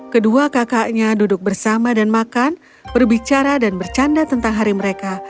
kedua kakaknya duduk bersama dan makan berbicara dan bercanda tentang hari mereka